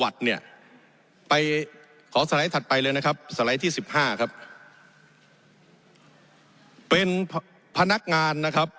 ถัดไปเลยนะครับสไลด์ที่สิบห้าครับเป็นพนักงานนะครับ